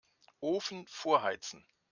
Ofen vorheizen.